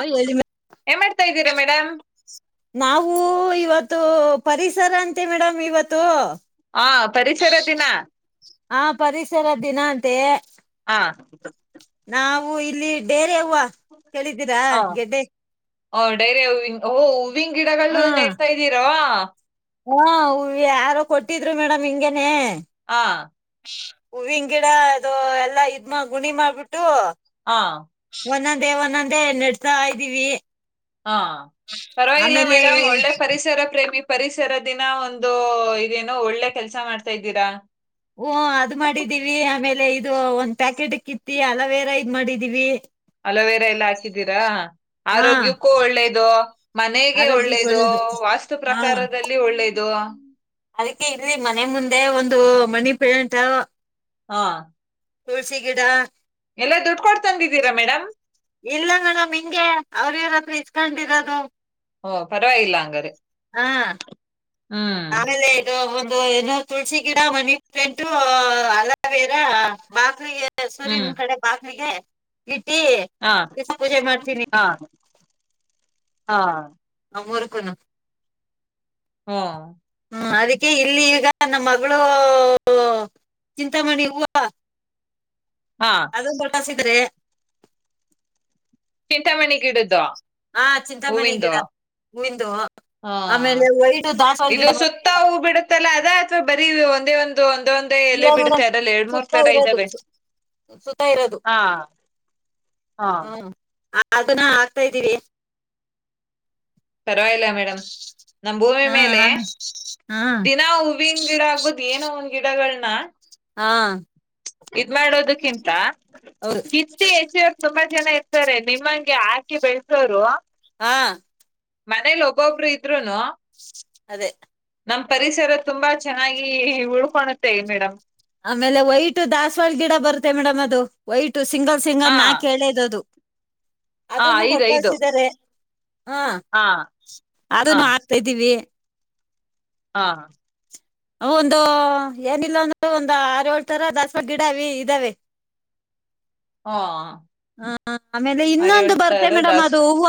ಹೇಳಿ ಏನ್ ಮಾಡ್ತಾ ಇದ್ದೀರಾ [unintelligible] ಮೇಡಮ್ ನಾವು ಇವತ್ತು ಪರಿಸರ ಅಂತೆ ಮೇಡಮ್ ಇವತ್ತು ಆ ಪರಿಸರ ದಿನ ಹ ಪರಿಸರಿಸರ ದಿನ ಅಂತೆ ಹಾ ಸ [inaudible] ನಾವು ಇಲ್ಲಿ ಡೇರೆ ಹೂವ ಕೇಳಿದ್ದೀರಾ ಗೆಡ್ಡೆ ಹ ಡೈರೆ ಹೂವಿನ ಓ ಹೂವಿನ ಗಿಡಗಳುನ್ನೂ ನೆಡ್ತಾ ಇದ್ದೀರಾ ಹಾ ಹೂ ಯಾರು ಕೊಟ್ಟಿದ್ರು ಮೇಡಮ್ ಹಿಂಗೇನೆ ಹ್ಮ [inaudible] ಹೂವಿನ ಗಿಡ ಅದು ಎಲ್ಲಾ ಇದ್ ಮಾ ಗುಣಿ ಮಾಡ್ಬಿಟ್ಟು ಹಾ ಒಂದೊಂದೇ ಒಂದೊಂದೇ ನೆಡ್ತ ಇದ್ದೀವಿ ಹಾ ಪರವಾಗಿಲ್ಲ ಆಮೇಲೆ ಮೇಡಮ್ ಒಳ್ಳೆ ಪರಿಸರ ಪ್ರೇಮಿ ಪರಿಸರ ದಿನ ಒಂದು ಇದೇನೋ ಒಳ್ಳೆ ಕೆಲ್ಸ ಮಾಡ್ತಾ ಇದ್ದೀರಾ ಓ ಅದು ಮಾಡಿದೀವಿ ಆಮೇಲೆ ಇದು ಒಂದ್ ಪ್ಯಾಕೆಟ್ [unintelligible] ಕಿತ್ತಿ ಅಲೋವೆರಾ ಇದ್ ಮಾಡಿದೀವಿ ಅಲೋವೇರಾ ಎಲ್ಲ ಹಾಕಿದ್ದೀರಾ ಹಾ ಆರೋಗ್ಯಕ್ಕೂ ಒಳ್ಳೇದು ಮನೆಗೆ ಒಳ್ಳೇದು ವಾಸ್ತು ಹಾ ಪ್ರಕಾರದಲ್ಲಿ ಒಳ್ಳೇದು ಅದಕ್ಕೆ ಇರಲಿ ಮನೆ ಮುಂದೆ ಒಂದು ಮನಿ ಪಂಟ್ [unintelligible] ಹಾ ತುಳಸಿ ಗಿಡ ಎಲ್ಲ ದುಡ್ಡು ಕೊಡ್ ತಂದಿದ್ದೀರಾ ಮೇಡಮ್ ಇಲ್ಲ ಮೇಡಮ್ ಹಿಂಗೆ ಅವ್ರ ಇವ್ರ ಹತ್ರೀ [unintelligible] ಕಂಡರದು [unintelligible] ಓ ಪರವಾಗಿಲ್ಲ ಹಂಗಾದ್ರೆ ಹಾ ಆಮೇಲೆ ಇದು [unintelligible] [unintelligible] ಏನೋ ತುಳಸಿ ಗಿಡ ಮನಿ ಪ್ಲಾಂಟ್ ಅಲೋವೆರಾ ಬಾಕ್ಲಿಗೆ ಹ್ಮ್ ಸೂರ್ಯನ್ ಕಡೆ ಬಾಗಲಿಗೆ ಇ [inaudible] ಹಾ ಹಾ ಹಾ ಅವ್ ಮುರುಕುನು ಹು ಹ ಅದಕ್ಕೆ ಇಲ್ಲಿ ಈಗ ನಮ್ಮ ಮಗಳು ಚಿಂತಾಮಣಿ ಹೂವ ಹಾ ಅದು [unintelligible] ಅಂದ್ರೆ [unintelligible] ಚಿಂತಾಮಣಿ ಗಿಡದ್ದು ಹಾ ಚಿಂತಾಮಣಿ ಹೂವಿಂದು ಗಿಡ ಹುವಿಂದು [unintelligible] ಹಾ ಆಮೇಲೆ ವೈಟು ದಾಸೋವಾಳ ಇದು ಗಿಡ ಸುತ್ತ ಬರ್ತ ಹೂ ಬಿಡುತ್ತಲ್ಲ ಅಥವಾ ಬರೀ ಒಂದೇ ಒಂದು [unintelligible] [unintelligible] ಒಂದ ಒಂದೆ ಇಲ್ಲ ಎಲೆ ಬಿಡುತ್ತೆ ಮೇಡಮ್ ಅದಲ್ಲಿ ಎರ ಮೂರ್ ಸುತ್ತ ತಡೆ ಇರೋದು ಇದ್ದಾವೆ ಸು- ಸುತ್ತ ಇರೋದು ಹ ಹ [unintelligible] ಹ್ಮ್ ಅದನ್ನ ಹಾಕ್ತಾದೀರಿ [unintelligible] ಪರವಾಗಿ ಇಲ್ಲ ಮೇಡಮ್ ನಮ್ ಭೂಮಿ ಹಾ ಮೇಲೆ ಹಾ ದಿನಾ ಹೂವಿನ ಗಿಡ ಆಗ್ಬೋದು ಏನೋ ಒಂದ ಗಿಡಗಳನ್ನ [unintelligible] ಹ [unintelligible] ಹಾ ಇದ್ ಮಾಡೋದಕ್ಕಿಂತ [unintelligible] ಹೌದು [unintelligible] ಜನ ಇರ್ತಾರೆ ನಿಮ್ಮಂಗೆ ಹಾಕಿ ಬೆಳಸೋರು ಹಾ ಮನೇಲಿ ಒಬ್ಬೊಬ್ರು ಇದ್ರುನು ಅದೇ ನಮ್ ಪರಿಸರ ತುಂಬಾ ಚೆನ್ನಾಗಿ ಉಳ್ಕಳುತ್ತೆ ಮೇಡಮ್ ಆಮೇಲೆ ವೈಟ್ ದಸ್ವಾಳ ಗಿಡ ಬರುತ್ತೆ ಮೇಡಮ್ ಅದು ವೈಟ್ ಸಿಂಗಲ್ ಹಾ ಸಿಂಗರ್ ನಾ ಕೇಳಿದದು ಹಾ ಅದನ್ನು ಐದು ಐದು ಕೊಟ್ಟಳ್ಸಿದ್ದಾರೆ ಹಾ ಅದನು ಆಕ್ತಾದೀವಿ ಹಾ ಒಂದು ಏನಿಲ್ಲ ಅಂದ್ರೂ ಒಂದು ಆರುಏಳು ಥರ ದಸರಾ ಗಿಡ ಅವೇ ಇದ್ದಾವೆ ಹೊ ಹಾ ಆಮೇಲೆ ಇನ್ನೊಂದು ಬರ್ತೆ ಮೇಡಮ್ ದಾಸ್ ಅದು ಹೂವ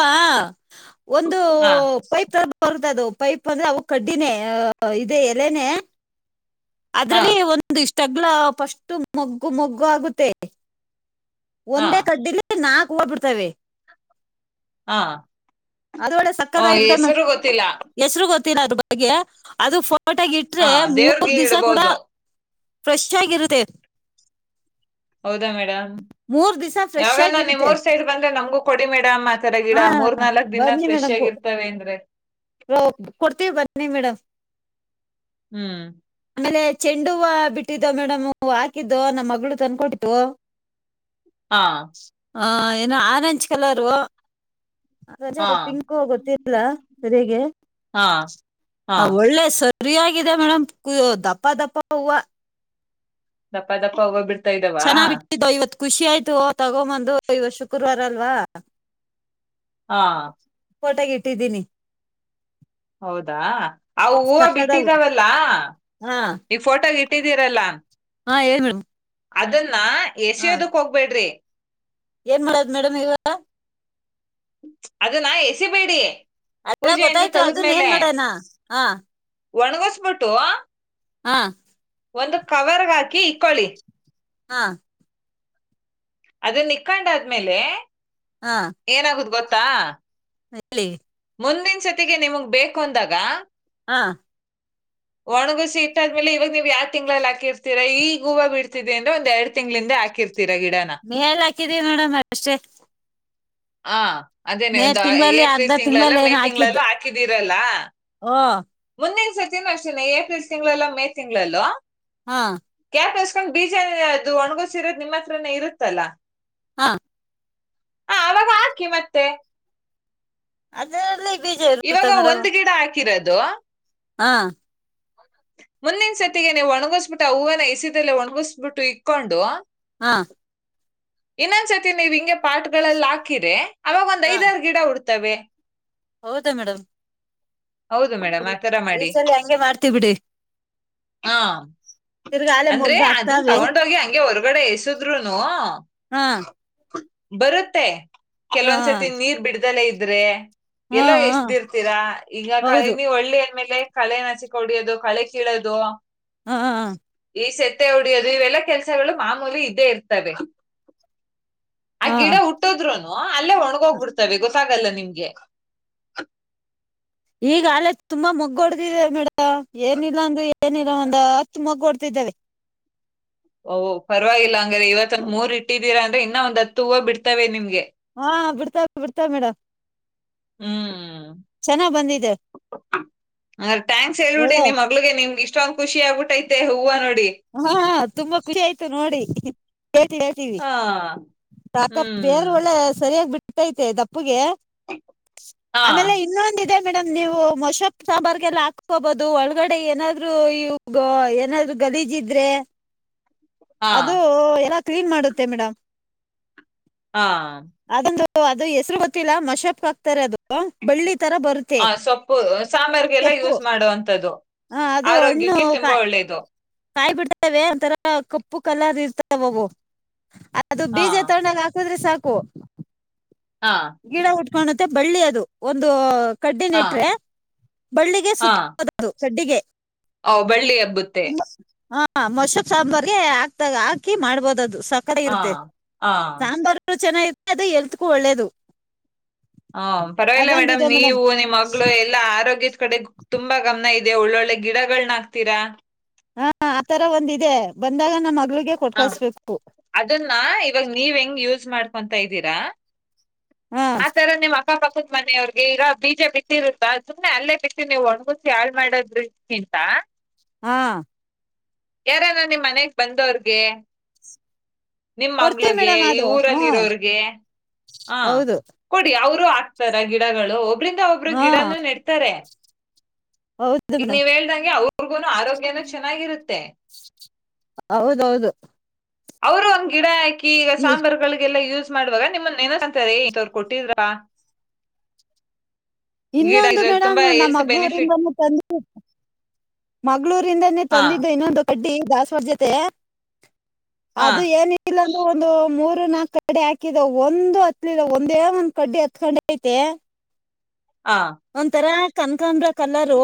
ಒಂದು ಆ ಪೈಪ್ ತಬ್ ಹೊರ್ದ ಅದು ಪೈಪ್ ಅಂದ್ರೆ ಅವು ಕಡ್ಡಿನೇ ಇದೆ ಎಲೆನೆ ಆ ಅದರಲ್ಲೇ ಒಂದ ಇಷ್ ತಗ್ಲಾ ಫಷ್ಟು ಮೊಗ್ಗು ಮೊಗ್ಗು ಆಗುತ್ತೆ ಆ ಒಂದೇ ಕಡ್ಡಿಲಿ ನಾಕ್ ಹೂವ ಬಿಡ್ತವೆ ಹಾ ಅದ ಒಳ್ಳೆ ಸಕ್ಕದ ಇಲ್ದೆ ಮ ಹೆಸ್ರು ಗೊತ್ ತಿನ್ ಅದ್ರ ಬಗ್ಗೆ ಅದು ಫೋ ಪಟಗ ಇಟ್ರೆ ಆ ಮೂರ್ ದೇವ್ರಿಗೆ ದಿವಸ ಕೂಡ ಇಡ್ಬೋದು ಫ್ರೆಶ್ ಆಗ್ ಇರುತ್ತೆ ಹೌದಾ ಮೇಡಮ್ ಫ್ರೆಶ್ ಯಾವಾಗ ನ ನಿಮ್ಮ ಆಗಿರುತ್ತೆ ಮೂರ್ ಸೈಡ್ ಬಂದ್ರೆ ನಮಗೂ ಕೊಡಿ ಮೇಡಮ್ ಅ ಆ ತರ ಗಿಡ ಹಾ ಮೂರ್ ನಾಲ್ಕಕ್ ದಿನ ಫ್ರೆಶ್ ಆಗಿರ್ತವೆ ಅಂದ್ರೆ ಹ ಕೊಡ್ತೀವಿ ಬನ್ನಿ ಮೇಡಮ್ ಹ್ಮ್ ಆಮೇಲೆ ಚೆಂಡ ಹವ ಬಿಟ್ಟಿದ್ದೋ ಮೇಡಮ್ ಹಾಕಿದ್ದು ನಮ್ಮ ಮಗಳು ತಂದಕೊಟ್ಟು ಹಾ ಹ ಏನ ಆರೆಂಜ್ ಕಲರು ಹಾ ಪಿಂಕ್ ಹೋ ಗೊತ್ತಿಲ್ ಇಲ್ಲ ಸರ್ಯಗೆ ಹಾ ಹಾ ಹ ಒಳ್ಳೆ ಸಲ್ ಫ್ರೀ ಆಗಿದೆ ಮೇಡಮ್ ಕುಯ ದಪ್ಪ ದಪ್ಪ ಹೂವು ದಪ್ಪ ದಪ್ಪ ಹೂವ ಬಿಡ್ ಚೆನ್ನಾಗಿ ಬಿಟ್ಟಿದ್ದು [unintelligible] ಐವತ್ತು ಖುಷಿ ಆಯ್ತು ತಗೊಂಬಂದು ಇವ [unintelligible] ಶುಕ್ರವಾರ ಅಲ್ವಾ ಹಾ ಫೋಟೋಗ ಇಟ್ಟಿದ್ದೀನಿ ಹೌದಾ ಅ ಹೂವ ಸಕ್ಕದಾಗ ಬಿಟ್ಟಿದಾವಲ್ಲಾ ಹಾ ಈ [unintelligible] ಫೋಟಗ್ ಇಟ್ಟಿದೀರಲ್ಲ ಹಾ ಹೇಳಿ ಮೇ [unintelligible] ಅದನ್ [unintelligible] ಎಸಿಯೋದಕ್ ಹೋಗ್ಬೇಡ್ರಿ ಏನ್ ಮಾಡದ್ ಮೇಡಮ್ ಇವ [unintelligible] ಅದನ ಎಸಿಬೇಡಿ ಅಡ [unintelligible] ಪೂಜೆಯಿಂದ ಗೊತ್ತಾಯ್ತು ಅದನ್ ಏನ್ ಮಾಡಣ ಹ ಒಣಗಸ್ಬಿಟ್ಟು ಹಾ ಒಂದು ಕವರ್ಗ ಹಾಕಿ ಇಕ್ಕೊಳ್ಳಿ ಹಾ ಅದನ್ನ ನಿಕ್ಕೊಂಡ ಆದ್ಮೇಲೆ ಹಾ ಏನಾಗುದು ಗೊ [unintelligible] [unintelligible] ಹೇಳಿ ಮುಂದಿನ ಸತಿಗೆ ನಿಮಗ್ ಬೇಕು ಅಂದಾಗ ಹಾ ಒಣಗುಸಿ ಇಟ್ಟಾದ್ಮೇಲೆ ಇವಾಗ ನೀವ್ ಯಾವ ತಿಂಗ್ಳಲ್ಲಿ ಹಾಕಿರ್ತೀರಾ ಈಗ ಹೂವ ಬಿಡ್ತಿದೆ ಅಂದ್ರ ಒಂದ್ ಎರಡ್ ತಿಂಗಳಿಂದ ಹಾಕಿರ್ [unintelligible] [unintelligible] ಮೇಲ್ ಹಾಕಿದೀವಿ ಮೇಡಮ್ ಅಷ್ಟೆ ಹ ಅದೇನೆ ಒಂದು ಅರ್ಧ ಏಪ್ರಿಲ್ ತಿಂಗಳಲ್ಲ ತಿಂಗಳಲ್ಲಿ ಮೇ ಏನೋ ತಿಂಗಳಲ್ಲೂ ಹಾಕಿದ್ದು ಹಾಕಿದೀರಲ್ಲ ಓ ಮುಂದಿನ್ ಇ ಸತಿನು ಅಷ್ಟೆ [unintelligible] ಏಪ್ರಿಲ್ ತಿಂಗಳಲ್ಲೋ ಮೇ ತಿಂಗಳಲ್ಲೋ ಹಾ [unintelligible] ಬೀಜ ಅದು ಒಣಗಸರೋದು ನಿಮ್ಮ ಹತ್ರನೇ ಇರುತ್ತಲ್ಲಾ ಹಾ ಹಾಕಿ ಮತ್ತೆ ಅದೆ [unintelligible] ಇವಾಗ ಒಂದ್ ಗಿಡ ಹಾಕಿರೋದು ಹಾ ಮುಂದನ್ ಸತಿಗೆ ನೀವು ಒಣಗಿಸ್ಬಿಟ್ಟು ಆ ಹೂವನ್ನ ಎಸಿದಲ್ಲ ಒಣಗಿಸ್ಬಿಟ್ಟು ಇಕ್ಕೊಂಡು ಹಾ ಇನ್ನೊಂದ್ ಸತಿ ನೀವ್ ಹಿಂಗೆ ಪಾಟ್ಗಳಲ್ಲಿ ಹಾಕಿರೆ ಅವಾಗ ಒಂದ್ ಐದಾರು ಗಿಡ ಉಡ್ತವೆ ಹೌದು ಮೇಡಮ್ ಹೌದು ಮೇಡಮ್ ಆತರ ಈ ಮಾಡಿ ಸಲ ಹಂಗೆ ಮಾಡ್ತಿವ್ ಬಿಡಿ ಹಾ ತಿರ್ಗಾ ಆಲೆ ಅಂದ್ರೆ ಮೊಗ್ಗು ಅದನ್ನ ಹಾಕ್ತಾವೆ ತಗೊಂಡೋಗಿ ಹಂಗೆ ಹೊರ್ಗಡೆ ಎಸದ್ರುನು ಹಾ ಬರುತ್ತೆ ಹಾ ಕೆಲವಂದ್ಸರ್ತಿ ನೀರ್ ಬಿಡ ಇಲ್ದಲೆ ಇದ್ರೆ ಹಾ ಎಲ್ಲೋ ಹಾ ಎಷ್ಟ್ದಿರ್ತೀರಾ ಈಗ ಕ ಹೌದು ನೀ ಒಳ್ಳೆ ಹಳ್ಳಿ ಆಮೇಲೆ ಕಳೆ ನಾಚ ಕುಡಿಯೋದು ಕಳೆ ಕೀಳೋದು ಹ ಮತ್ತೆ ಹೊಡಿಯೋದು ಇವೆಲ್ಲಾ ಕೆಲ್ಸಗಳು ಮಾಮೂಲಿ ಇದ್ದೆ ಇರ್ತವೆ ಆ ಹಾ ಗಿಡ ಹುಟ್ಟದ್ರುನ್ ಅಲ್ಲೇ ಒಣಗ ಹೋಗ್ಬಡ್ತವೆ ಗೊ ಗೊತ್ತಾಗಲ್ಲ ನಿಮ್ಗೆ ಈಗ ಆಲೆ ತುಂಬಾ ಮೊಗ್ಗ ಹೊಡ್ದಿದ್ದೆ ಮೇಡಮ್ ಏನಿಲ್ಲ ಅಂದ ಏನಿಲ್ಲ ಒಂದ ಹತ್ತು ಮಗ್ ಹೊಡ್ದಿದಾವೆ ಓಹ್ ಪರವಾಗಿಲ್ಲ ಹಂಗ್ರ ಇವತ್ತೊಂದ್ ಮೂರ್ ಇಟ್ಟಿದ್ದೀರಾ ಅಂದ್ರೆ ಇನ್ನೊ ಒಂದ್ ಹತ್ತು ಹೂವು ಬಿಡ್ತವೆ ನಿಮ್ಗೆ ರ್ ಬೀರ್ತವ ಮೇಡ ಹ್ಮ್ ಬಂದಿದೆ ಅ ಥ್ಯಾಂಕ್ಸ್ ಹೇಳಳ್ಬಿಡಿ ಒಳ್ಳೆ ನಿಮ್ ಮಗ್ಳಿಗೆ ನಿಮ್ಗೆ ಇಷ್ಟಂದ್ ಖುಷ ಆಗ್ಬಿಟ್ಟೈತೆ ಹೂವ ನೋಡಿ ಹಾ ತುಂಬಾ ಖುಷಿ ಆಯ್ತು ನೋಡಿ ಹಿ ಹೇ ಹೇಳ್ತೀವಿ ಹಾ ಕಾಕ ಬೇರ್ ಹ್ಮ್ ಒಳ್ಳೆ ಸರಿಯಾಗಿ ಬಿಟ್ಟ ಗಟ್ಟೈತೆ ದಪ್ಪಗೆ ಹಾ ಆಮೇಲೆ ಇನ್ನೊಂದಿದೆ ಮೇಡಮ್ ನೀವು ಮಶಪ್ ಸಾಂಬಾರ್ಗೆಲ್ಲ ಹಾಕೋಬಹುದು ಒಳಗಡೆ ಏನಾದ್ರು ಇ ಏನಾದ್ರು ಗಲೀಜಿದ್ರೆ ಹಾ ಅದು ಎನ ಕ್ಲೀನ್ ಮಾಡುತ್ತೆ ಮೇಡಮ್ ಹಾ ಸೊ ಅದು ಹೆಸ್ರು ಗೊತ್ತಿಲ್ಲ ಮಶಪ್ ಹಕ್ತಾರೆ ಅದು ಬಳ್ಳಿ ತರ ಬರುತ್ತೆ ಹ ಸೊಪ್ಪು ಸಾಂಬಾರ್ರಿಗೆಲ್ಲ ಸೊಪ್ಪು ಯೂಸ್ ಮಾಡುವಂತದ್ದು ಆ, ಆರೋಗ್ಯಕ್ಕೆ ತುಂಬಾ ಒಳ್ಳೆದು ಕಾಯ್ ಬಿಡ್ತವೆ ಒಂತರ ಕಪ್ಪು ಕಲ್ಲರ್ ಅ ಇರ್ತವ್ ಅವು ಅದು ಹಾ ಬೀಜ ತಗೊಂಡ್ಗ ಹಾಕಿದ್ರೆ ಸಾಕು ಪ್ಪು ಹಾ ಗಿಡ ಹುಟ್ಟಿ ುತ್ತೆ ಬಳ್ಳಿ ಅದು ಒಂದು ಕಡ್ಡಿ ಹಾ ನೆಟ್ರೆ ಬಳ್ಳಿಗೆ ಸುತ್ತ ಸಡ್ಡಿಗೆ ಓ್ ಬಳ್ಳಿ ಹಬ್ಬುತ್ತೆ ಹಾ ಮೊಷಪ್ ಸಾಂಬಾರ್ಿಗೆ ಹಾಕ್ತ ಹಾಕಿ ಮಾಡ್ಬೋದ ಅದು ಸಕ್ಕಡೆ ಹಾ ಇರುತ್ತೆ ಹಾ ಸಾಂಬಾರರು ಚೆನ್ನಾಗಿ ಅದು ಎಲ್ತ್ಕೂ ಒಳ್ಳೇದು ಹ ಪರವಾಗಿಲ್ಲ ಮೇಡಮ್ ನೀವು ನಿಮ್ಮ್ ಮಗಳು ಎಲ್ಲಾ ಆರೋಗ್ಯ ಕಡೆ ತುಂಬಾ ಗಮನ ಆದೆ ದೆ ಒಳ್ಳೊಳ್ಳೆ ಗಿಡಗಳನ ಹಾಕ್ತೀರಾ ಹಾ ಆತರ ಒಂದ ಇಿದೆ ಬಂದ ಹ ಅದನ್ನ ಇವಾಗ ನೀವ ಹೆಂಗ ಯ ಮಾಡ್ಕೊಂತಾ ಇದ್ದೀರಾ ಹಾ ಆತರ ನಿಮ್ ಅಕ್ಕಪಕ್ಕದ ಮನೆಯವ್ರು ಹಾಗೆ ಈಗ ಬೀಜ ಬಿತ್ತಿರುತ್ತಾ ಸುಮನೆ ಅಲ್ಲೇ ಬಿತ್ತಿ ನೀವು ಒಣ್ಗುಸಿ ಯಾಳ್ ಮಾಡೋದ್ರ ನಿಿಂತ ಹಾ ಯಾರಾರ ನಿಮ್ಮ್ ಮನೆಗ್ ಬಂದವ್ರಗೆ ನಿಮ್ಮ ಕೊಡ್ತೀವಿ ಮಗ್ಗಳಗೆ ಮೇಡಮ್ ಈ ಅದು ಹಾ ಊರಲ್ಲಿ ಇರೋರ್ಗೆ ಹಾ ಹೌದು ಕೊಡಿ ಅವರು ಆಗ್ತಾರ ಗಿಡಗಳು ಒಬ್ರಂದ ಒಬ್ರು ಹಾ ಗಿಡನು ನೆಡ್ತಾರೆ ಹೌದು ಈಗ ಮೇಡಮ್ ನೀವ್ ಹೇಳ್ದಂಗೆ ಅವ್ರಿಗೂನು ಆರೋಗ್ಯನು ಚೆನ್ನಾಗಿರುತ್ತೆ ತ್ತೆ ಹೌದೌದು ಅವರು ಒಂದ್ ಗಿಡ ಆಾಕಿ. ಈ ಈಗ ಸಾಂಬಾರ್ುಗಳಿಗೆಲ್ಲ ಯೂಸ್. ಮಾಡುವಾಗ ನಿಮ್ಮ ಏನ ಕಂತಾರೆವ್ರ ಕೊಟ್ಟಿದ್ರ. ಗಿಡ ಇನ್ನೊಂದು ಇದ್ರಲ್ಲಿ ಮೇಡಂ್ ತುಂಬಾ ನಮ್ಮ ಹೆಲ್ತ್ ಬೆನಿಫಿಟ್ ಮಗಳೂರಿಂದಾನ ತಂದ ಮಗ್ಗಳೂರಿಂದಾನೇ ಹಾ ತಂದಿದ್ದು ಇನ್ನೊಂದು ಕಡ್ಡಿ ದಸ್ತಿ. ಸರ್್ಯತೆ. ಹಾ ಅದು ಏನಿಲ್ಲ. ಒಂದು ಮೂರು ನಾಲ್ಕು ಕಡ್ಡೆ ಹಾಕಿದ ಒಂದು ಹತ್ಲಿದ ಒಂದೇ ಒಂದ್ ಕಡ್ಡಿ ಹತ್ಕೊಂಡೆ ಐತೆ ಹಾ ಒಂಂತರಾ. ಕನಕಾಮ್ರ. ಕಲರು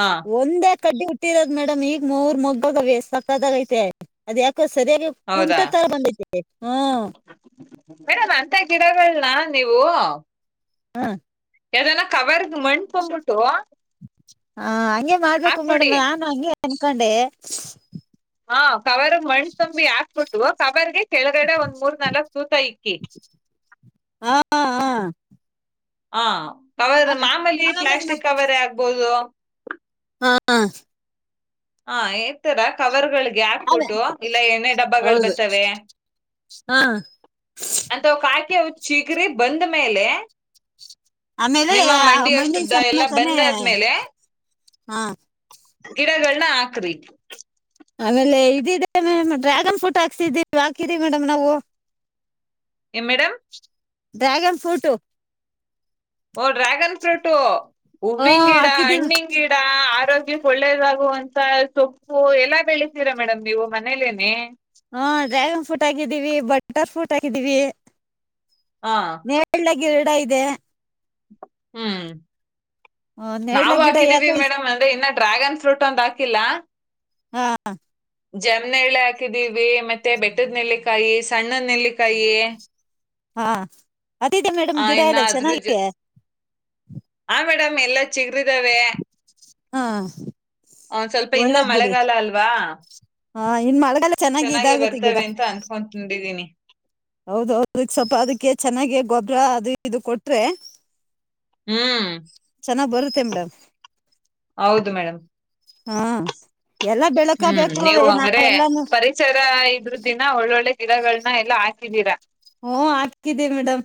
ಹಾ ಒಂದೇ. ಕಡ್ಡಿ ಹಟ್ಟಿರೋದು ಮೇಡಮ್ ಈಗ ಮೂರ್ ಮೊಾಗ ತಕ್ಕದಾಗ ಐತೆ ಅದ ಯಾಕೆ. ಸರಿಯಾಗಿ ಕುಂಟ ಹೌದಾ ತರ ಬಂದಿದೆ ಹ್ಮ. ಮೇಡಮ್ ಅಂತ ಗಿಡಗಳನ್ನ ನೀವು. ಹ್ಮ. ಅದೆಲ್ಲ ಕವರ್ಗ ಮಣ್ಕೊೊಂಡ್ಬಿಟ್ಟು. ಹಾ ಆಯ್. ಹಂಗೆ ಮಾಡ್ಬೇಕು ಮೇಡಮ್ ನಾನ್ ಹಂಗೆ. ಎನಕಂಡೇ. ಅವಾರ ಮಣ್ ತುಂಬಿ ಹಾಕ್ಬೊಟ್ಟುವ. ಸವಲ್ಗೆ. ಕೆಳಗಡೆ ಒಂದ್ ಮೂರ್ ನಾಲ್ಕಕ್ ತೂತ ಇಕ್ಕಿ. ಹಾ ಹಾ ಹ. ಕವರ್ ಆಮೇಲೆ ಮಾಮೂಲಿ ಆಮೇಲೆ ನ- ಪ್ಲಾಸ್ಟಿಕ್ ಕವರೇ ಆಗ್ಬಹದು. ಹಾ. ಹಾ ಈ ತರ ಕವರ್ಗಳಿಗೆ. ಆಮೇಲೆ ಹಾಕ್ಬಿಟ್ಟು ಇಲ್ಲ ಏನೇ ಡಬ್ಬಗಳು ಹೌದು ಬರ್ತವೆ ಹಾ ಅಂತ ಕಕಿ ಚಿಗ್ರ ಬಂದ. ಅ ಮೇಲೆ. ಆಮೇಲೆ ನಿಮ್ಮ ಮಂಡಿ ಮಣ್ಣಿನ ಅಷ್ಟುದ್ದ ಎಲ್ಲಾ ಸಮೇತಾನೇ ಬಂದಾದ್ಮೇಲೆ ಹಾ. ಗಿಡಗಳು. ್ಣ ಆಕ್ರಿ. ಆಮೇಲೆ ಇದಿದೆ ಮ್ ಡ್ರ್ಯಾಗನ್ ಫ್ರೂಟ್ ಹಾಕ್ಸಿದೀವಿ ಹಾಕಿರಿ ಮೇಡಮ್ ನಾವು. ಎ ಮೇಡಮ್. Dragon fruit. ಓ ಡ್ರ್ಯಾಗನ್ ಫ್ರೂಟ ಹಾ ಹೂವಿಂಗ ಗಿಡ ಹಾಕಿದೀವಿ ಹಣ್ಣಿಂಗ ಗಿಡ ಆರೋಗ್ಯ. ಒಳ್ಳೇದಾಗುವಂತ ಸೊಪ್ಪು ಎಲ್ಲಾ ಬೆಳಿತೀರಾ ಮೇಡಮ್ ನೀವು ಮನೇಲೇನೆ. ಹಾ ಡ್ರ್ಯಾಗನ್ ಫ್ರೂಟ್ ಆಗಿದ್ದೀವಿ ಬಟರ್ ಫ್ರೂಟ್ ಆಗಿದ್ದೀವಿ. ಹ ಮೇ [inaudible] ಈ ಎರಡ ಇದೆ [inaudible] ಹ್ಮ್ ನೇರಳೆ ನಾವು ಗಿಡ ಹಾಕಿದೀವಿ ಯಾಕೋ ಇಸ್ ಮೇಡಮ್ ಅಂದ್ರೆ ಇನ್ನ ಡ್ರ್ಯಾಗನ್ ಫ್ರೂಟ್ ಒಂದ್ ಹಾಕಿಲ್ಲ [unintelligible] ಹ [unintelligible] ಜಮ್ನ ಎಳ್ಳೆ ಹಾಕಿದೀವಿ ಮತ್ತೆ ಬೆಟ್ಟದ್ ನೆಲ್ಲಿಕಾಯಿ ಸಣ್ಣದ್ ನೆಲ್ಲಿಕಾಯಿ ಹಾ [unintelligible] ಅತಿಥೆ ಮೇಡಮ ಆ ಇನ್ನ ಗಿಡಾಯಲ್ಲ ಅದ್ರ ಜೊ ಚೆನ್ನಾಗಿ [unintelligible] ಆ ಮೇಡಮ್ ಎಲ್ಲ [unintelligible] ಚಿಗ್ರಿದಾವೆ ಹಾ ಒಂದ ಸ್ವಲ್ಪ ಇನ್ನ ಒಳ್ಳೇದ್ ಬಿಡಿ ಮಳೆಗಾಲ ಅಲ್ವಾ ಹಾ ಇನ್ ಮಳೆಗಾಲ ಚೆನ್ನಾಗಿ ಚೆನ್ನಾಗೆ ಇದಾಗುತ್ತೆ ಬರ್ತವೆ ಅಂತ ಅಂದಕೊ ತಂಡಿದೀನಿ [unintelligible] ಹೌದೌದುಕ್ ಸ್ವನಲ್ಪ ಅದಕ್ಕೆ ಚೆನ್ನಾಗ ಗೊಬ್ಬರ ಅದು ಇದು ಕೊಟ್ರೆ [unintelligible] ಹ್ಮ್ ಚೆನ್ನಾಗ್ ಬರುತ್ತೆ ಮೇಡಂ ಹೌದು ಮೇಡಮ್ [unintelligible] ಹಾ ಎಲ್ಲ ಹ್ಮ್ ಬೆಳ್ಕಬೇಕು ಏನ ಎಲ್ಲಾನು [unintelligible] ಇದ್ರದ ದಿನ ಒಳ್ಳೊಳ್ಳೆ ಗಿಡಗಳನ್ನ ಎಲ್ಲ ಹಾಕಿದೀರಾ ಓ ಹಾಕಿದಿ ಮೇಡಮ್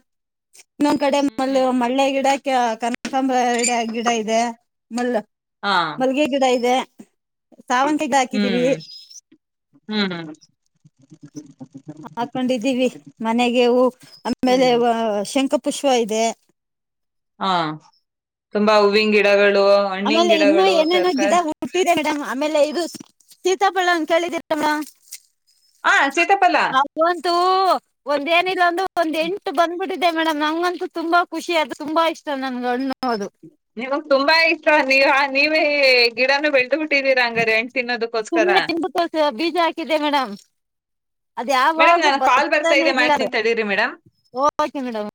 ಇನ್ನೊಂದ್ ಕಡೆ ಮ ಹ್ಮ್ ಮಳ್ಳೆ ಗಿಡ [unintelligible] ಕಂಕಬ್ರ ಗಿಡ ಗಿಡ ಇದೆ [unintelligible] ಮಲ್ಲ ಹಾ ಮಲ್ಗೆ ಗಿಡ ಇದೆ ಸಾವಂತಿದ ಹಾಕಿದೀವರಿ ಹ್ಮ್ ಹ್ಮ್ [unintelligible] ಹಾಕೊಂಡಿದ್ದೀವಿ ಮನೆಗೆ ಹೂ ಆಮೇಲೆ ಹ್ಮ್ ವ ಶಂಕ [unintelligible] ಪುಶ್ವ ಇದೆ ಹಾ ತುಂಬಾ ಹೂವಿನ ಗಿಡಗಳು ಹಣ್ಣಿನ ಆಮೇಲೆ ಇನ್ನ ಗಿಡಗಳು ಏನೇನೋ ಗಿಡ ತರಕಾರಿ ಹುಟ್ಟಿದೆ ಮೇಡಮ್ ಆಮೇಲೆ ಇದು ಸೀತಪಳ್ಳ [unintelligible] [unintelligible] ಹ ಸೀತಾಫಲ ಹ ಬಂತು ಒಂದ ಏನಿಲ್ಲ ಅಂದು ಒಂದ್ ಎಂಟು ಬಂದ್ಬಿಟ್ಟ [unintelligible] [unintelligible] ಮೇಡಮ್ ನಂಗಂತೂ ತುಂಬಾ ಖುಷಿ ಅದು ತುಂಬಾ ಇಷ್ಟ ನನ್ ಗಣ್ಣು ನಿಮಗ್ ತುಂಬಾ ಇಷ್ಟ ನೀವಾ ನೀವೇ ಗಿಡನ ಬೆಳೆದ ಬಿಟ್ಟ [unintelligible] ಸುಮ್ಮನೆ ತಿಂಡು [unintelligible] ಬೀಜ ಹಾಕಿದ್ದಿದೆ ಮೇಡಮ್ ಅದ ಮೇಡಮ್ ಯಾವಾಗೂ ನನ್ ಕಾಲ್ ಬರ್ತಾ ಬತಾನ ಇದೆ [unintelligible] ಮೇಡ್ ಮಾಡ್ತೀನಿ ತಡೀರಿ ಮೇಡಮ್ ಓಕೆ ಮೇಡಂ